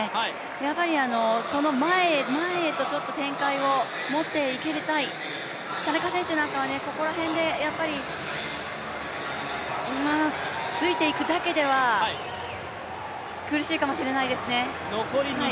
やっぱりその前へ前へと展開をもっていきたい、田中選手なんかは、ついていくだけでは苦しいかもしれないですね。